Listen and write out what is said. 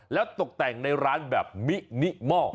แล้วตกแต่งในร้านแบบมินิมอล